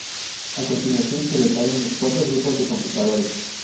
A continuación se detallan los cuatro grupos de conquistadores.